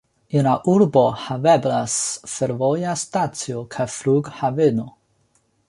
En la urbo haveblas fervoja stacio kaj flughaveno.